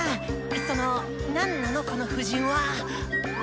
その何なのこの布陣は⁉お？